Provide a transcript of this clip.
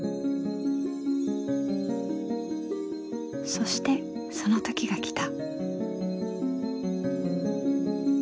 そしてその時が来た。